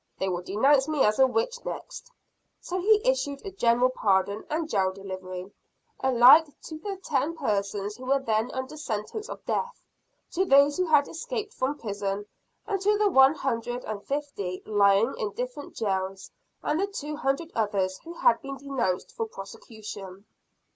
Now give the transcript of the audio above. "They will denounce me as a witch next." So he issued a general pardon and jail delivery alike to the ten persons who were then under sentence of death, to those who had escaped from prison, and to the one hundred and fifty lying in different jails, and the two hundred others who had been denounced for prosecution.